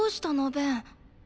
ベン。